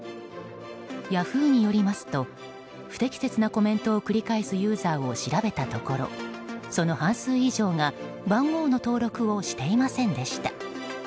ヤフーによりますと不適切なコメントを繰り返すユーザーを調べたところその半数以上が番号の登録をしていませんでした。